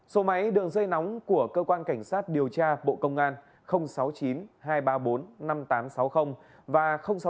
số máy đường dây nóng của cơ quan cảnh sát điều tra bộ công an sáu mươi chín hai trăm ba mươi bốn năm nghìn tám trăm sáu mươi và sáu mươi chín hai trăm ba mươi một một nghìn sáu trăm